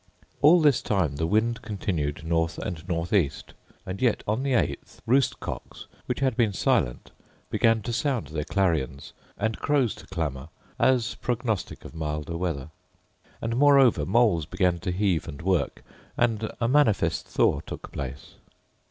All this time the wind continued north and north east; and yet on the eighth roost cocks, which had been silent, began to sound their clarions, and crows to clamour, as prognostic of milder weather; and, moreover, moles began to heave and work, and a manifest thaw took place.